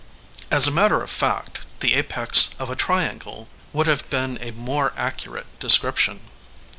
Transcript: As a matter of fact, the apex of a triangle would have been a more accurate description.